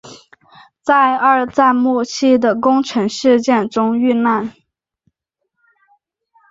在二战末期的宫城事件中遇难。